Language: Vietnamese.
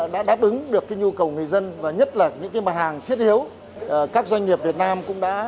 đã đáp ứng được nhu cầu người dân và nhất là những mặt hàng thiết yếu các doanh nghiệp việt nam cũng đã